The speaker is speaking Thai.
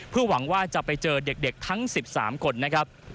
เพื่อหวังว่าจะไปเจอเด็กทั้ง๑๓คนนะครับ